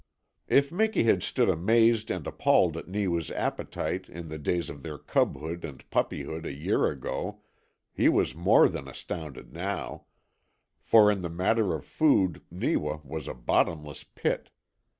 If Miki had stood amazed and appalled at Neewa's appetite in the days of their cubhood and puppyhood a year ago, he was more than astounded now, for in the matter of food Neewa was a bottomless pit.